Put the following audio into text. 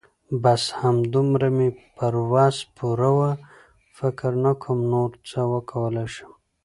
بس همدومره مې پر وس پوره وه. فکر نه کوم نور څه وکولای شم.